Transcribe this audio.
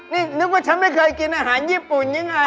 นี่นึกว่าฉันไม่เคยกินอาหารญี่ปุ่นยิ่งอะไร